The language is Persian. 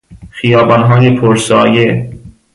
خیابانهای پر سایه